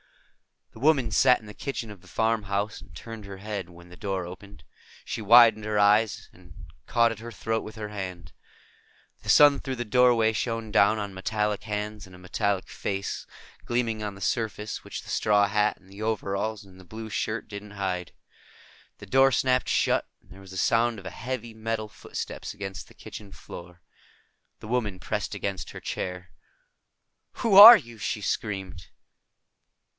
The woman sat in the kitchen of the farmhouse and turned her head when the door opened. She widened her eyes and caught at her throat with her hand. The sun through the doorway shone down on metallic hands and a metallic face, gleaming on the surface which the straw hat and the overalls and the blue shirt didn't hide. The door snapped shut, and there was a sound of heavy metal footsteps against the kitchen floor. The woman pressed against her chair. "Who are you?" she screamed.